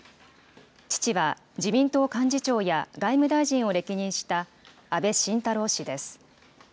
父は、自民党幹事長や外務大臣を歴任した、安倍晋太郎氏です。